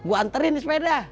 gua anterin di sepeda